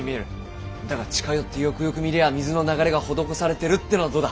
だが近寄ってよくよく見りゃあ水の流れが施されてるってのはどうだ？